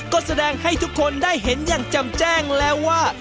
ก็แสดงให้ทุกคนได้เห็นอย่างจำแจ้งแล้วว่า